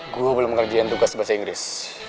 gue belum ngerjain tugas bahasa inggris